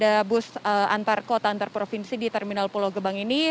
dan armada bus antar kota antar provinsi di terminal pulau gebang ini